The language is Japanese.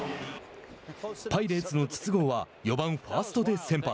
パイレーツの筒香は４番ファーストで先発。